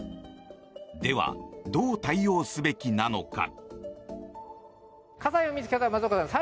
では、どう対応すべきなのか。